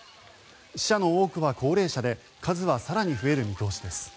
死者の多くは高齢者で数は更に増える見通しです。